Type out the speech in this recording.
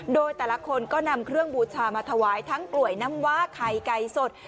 โดยแต่ละคนก็นำเครื่องบูชามาถวายทั้งกลวยน้ำว้าไข่ไก่สด